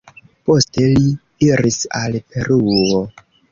Poste li iris al Peruo.